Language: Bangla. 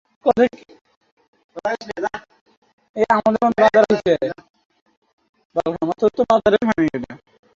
শালা আবারও তার ক্ষমতা ফিরে পেয়েছে!